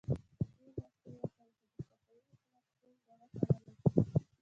دوې مياشتې ووتې، خو د صفوي حکومت کوم درک ونه لګېد.